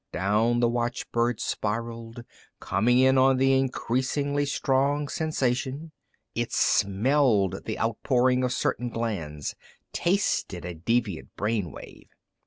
Down the watchbird spiraled, coming in on the increasingly strong sensation. It smelled the outpouring of certain glands, tasted a deviant brain wave.